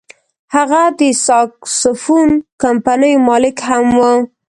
هغه د ساکسوفون کمپنیو مالک هم و.